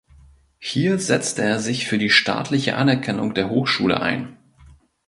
Hier setzte er sich für die staatliche Anerkennung der Hochschule ein.